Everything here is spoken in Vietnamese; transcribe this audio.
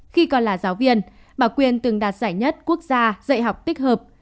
khi còn là giáo viên bà quyền từng đạt giải nhất quốc gia dạy học tích hợp